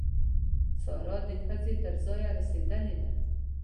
سارا د ښځې تر ځایه رسېدلې ده.